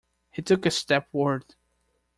He took a step forward.